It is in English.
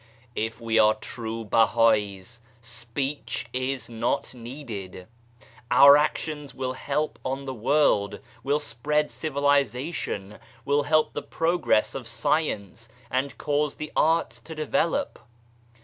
If we are true Bahals speech is not needed. Our actions will help on the world, will spread civilization, will help the progress of science, and cause the arts to develop.